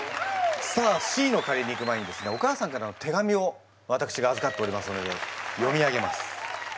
さあＣのカレーにいく前にですねお母さんからの手紙をわたくしがあずかっておりますので読み上げます。